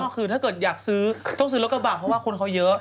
คือถ้าเกิดอยากซื้อต้องซื้อรถกระบะเพราะว่าคนเขาเยอะ